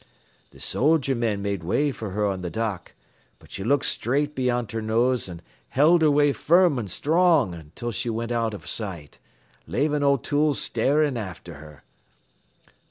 "Th' soldier men made way for her on th' dock, but she looked straight beyant her nose an' held her way firm an' strong until she went out av sight, lavin' O'Toole starin' after her.